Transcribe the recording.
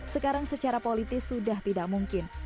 sekarang secara politis sudah tidak mungkin